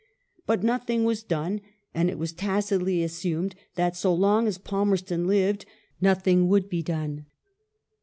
But nothing was done ; and it was tacitly assumed that so long as Palmerston lived nothing would be done.